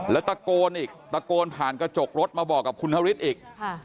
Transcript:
แล้วตะโกนอีกตะโกนผ่านกระจกรถมาบอกกับคุณนฤทธิ์อีก